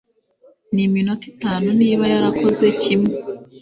Ni iminota itanu niba yarakoze kimwe